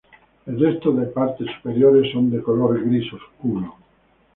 El resto de partes superiores son de color gris oscuro.